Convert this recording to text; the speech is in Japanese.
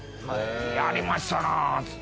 「やりましたな！」っつって。